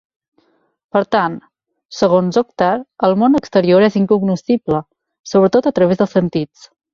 Per tant, segons Oktar, el món exterior és incognoscible, sobretot a través dels sentits.